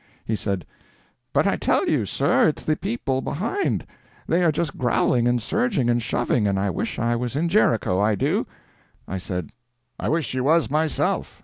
He said: "But I tell you, sir, it's the people behind. They are just growling and surging and shoving, and I wish I was in Jericho I do." I said: "I wish you was, myself.